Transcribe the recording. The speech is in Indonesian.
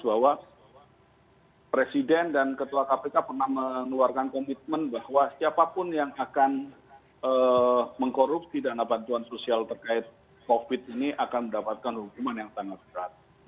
bahwa presiden dan ketua kpk pernah mengeluarkan komitmen bahwa siapapun yang akan mengkorupsi dana bantuan sosial terkait covid ini akan mendapatkan hukuman yang sangat berat